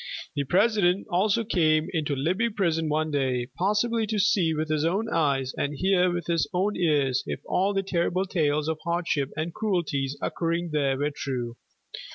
The President also came into Libby Prison one day, possibly to see with his own eyes and hear with his own ears if all the terrible tales of hardship and cruelties occurring there were true.